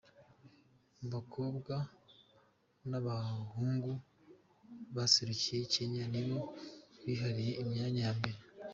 Mu bakobwa n’abahungu, abaserukiye Kenya nibo bihariye imyanya ya mbere.